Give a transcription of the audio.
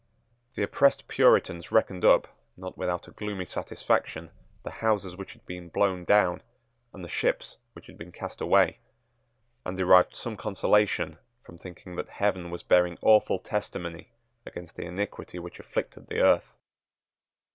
The oppressed Puritans reckoned up, not without a gloomy satisfaction the houses which had been blown down, and the ships which had been cast away, and derived some consolation from thinking that heaven was bearing awful testimony against the iniquity which afflicted the earth.